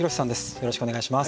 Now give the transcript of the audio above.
よろしくお願いします。